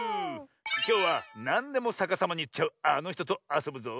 きょうはなんでもさかさまにいっちゃうあのひととあそぶぞ。